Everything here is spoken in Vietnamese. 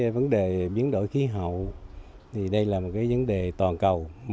vấn đề biến đổi khí hậu đây là một vấn đề toàn cầu